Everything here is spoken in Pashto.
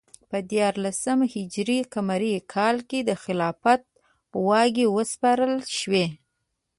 په دیارلس ه ق کال کې د خلافت واګې وروسپارل شوې.